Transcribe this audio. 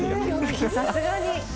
さすがに。